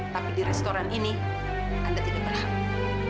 tapi di restoran ini anda tidak akan berhenti